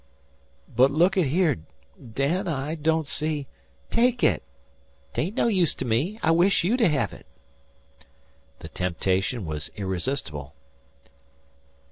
"But look at here. Dan, I don't see " "Take it. 'Tain't no use to me. I wish you to hev it." The temptation was irresistible.